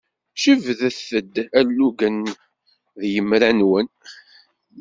Jebdet-d alugen ed yemra-nwen.